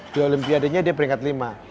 di olimpiadenya dia peringkat lima